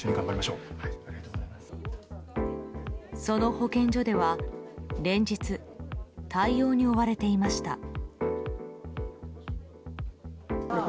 その保健所では連日、対応に追われていました。